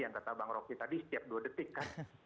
yang kata bang roky tadi setiap dua detik kan